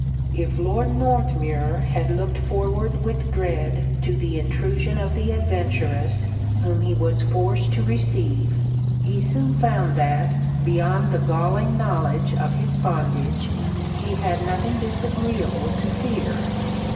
If Lord Northmuir had looked forward with dread to the intrusion of the adventuress whom he was forced to receive, he soon found that, beyond the galling knowledge of his bondage, he had nothing disagreeable to fear.